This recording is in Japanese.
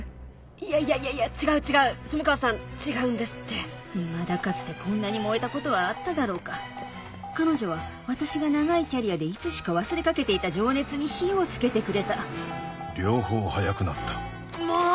いやいやいやいや違う違う下川さん違うんですっていまだかつてこんなに燃えたことはあっただろうか彼女は私が長いキャリアでいつしか忘れかけていた情熱に火を付けてくれた両方早くなったもう！